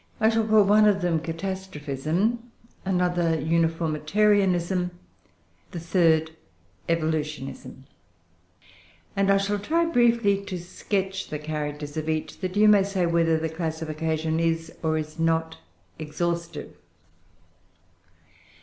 I shall call one of them CATASTROPHISM, another UNIFORMITARIANISM, the third EVOLUTIONISM; and I shall try briefly to sketch the characters of each, that you may say whether the classification is, or is not, exhaustive.